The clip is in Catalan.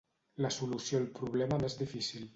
La solució al problema més difícil.